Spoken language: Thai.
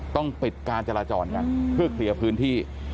ต้องปิดการจราจรกันเพื่อเคลียร์พื้นที่